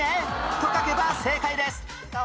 と書けば正解です